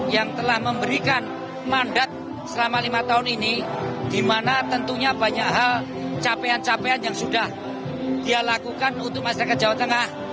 yang telah memberikan mandat selama lima tahun ini di mana tentunya banyak hal capaian capaian yang sudah dia lakukan untuk masyarakat jawa tengah